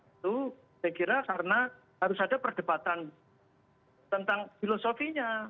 itu saya kira karena harus ada perdebatan tentang filosofinya